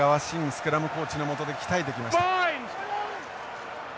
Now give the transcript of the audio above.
スクラムコーチのもとで鍛えてきました。